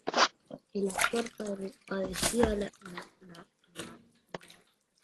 El actor padecía la enfermedad de Alzheimer.